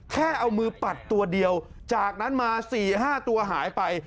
แค่เอามือปัดตัวเดียวจากนั้นมา๔๕ตัวหายไป